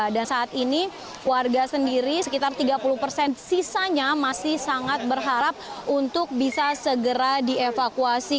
dan saat ini warga sendiri sekitar tiga puluh persen sisanya masih sangat berharap untuk bisa segera dievakuasi